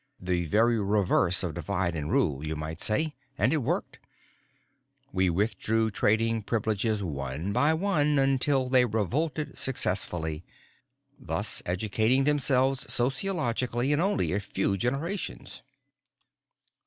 The very reverse of divide and rule, you might say, and it worked. We withdrew trading privileges one by one, until they revolted successfully, thus educating themselves sociologically in only a few generations.